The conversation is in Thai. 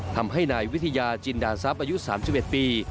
ทำให้นายวิทยาจินดาซับอายุสามสิบเอ็ดปี